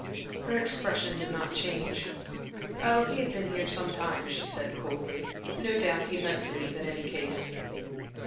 Her expression did not change. "Oh, he had been here some time," she said, coldly. "No doubt he meant to leave in any case."